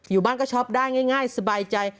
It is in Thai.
อยู่บ้านก็ช็อปได้ง่ายสบายใจ